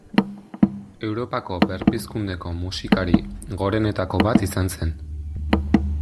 Europako Berpizkundeko musikari gorenetako bat izan zen.